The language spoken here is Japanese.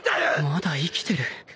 まだ生きてる